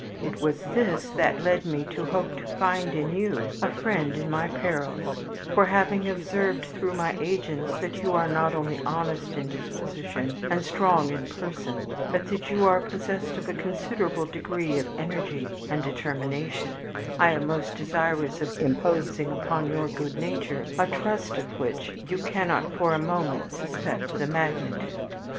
It was this that led me to hope to find in you a friend in my perils, for, having observed through my agents that you are not only honest in disposition and strong in person, but that you are possessed of a considerable degree of energy and determination, I am most desirous of imposing upon your good nature a trust of which you cannot for a moment suspect the magnitude.